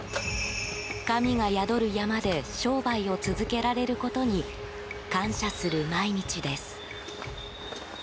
神が宿る山で商売を続けられることに感謝する毎日です。